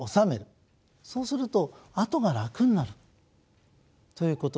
そうすると後が楽になるということですね。